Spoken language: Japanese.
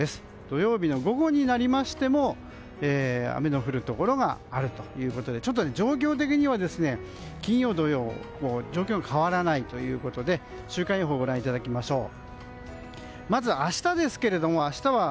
土曜日の午後になりましても雨の降るところがあるということでちょっと状況的には金曜、土曜状況が変わらないということで週間予報をご覧いただきましょう。